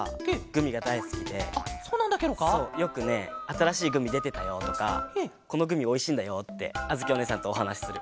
そうよくね「あたらしいグミでてたよ」とか「このグミおいしいんだよ」ってあづきおねえさんとおはなしする。